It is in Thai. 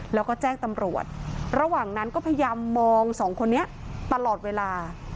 แล้วก็แจ้งตำรวจระหว่างนั้นก็พยายามมองสองคนนี้ตลอดเวลา